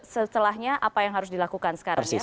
setelahnya apa yang harus dilakukan sekarang